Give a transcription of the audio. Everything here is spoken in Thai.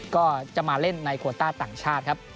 ก็จะมาเล่นในโคต้าต่างชาติครับ